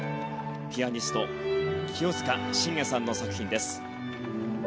ピアニスト清塚信也さんの作品です。